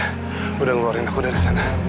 apasun kamu udah ngeluharin aku dari sana